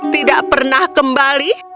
tidak pernah kembali